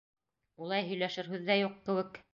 Улай һөйләшер һүҙ ҙә юҡ кеүек.